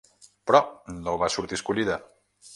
Però no va sortir escollida.